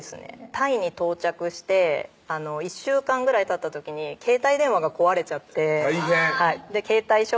タイに到着して１週間ぐらいたった時に携帯電話が壊れちゃって大変携帯ショップに行ったんですけど